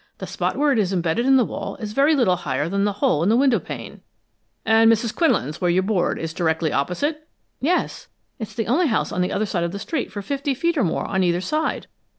The spot where it is embedded in the wall is very little higher than the hole in the window pane." "And Mrs. Quinlan's, where you board, is directly opposite?" "Yes. It's the only house on the other side of the street for fifty feet or more on either side."